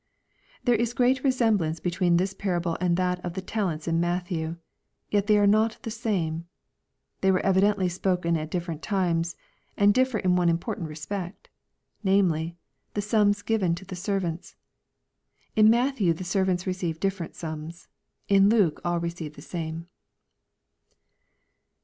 'l There is great resemblance between this parable and that of the talents in Matthew. Yet they are not the same. They were evidently spoken at different times, and differ in one important respect, namely, the sums given to the servants. In Matthew the servants receive different sums. In Luke all re ceive the same.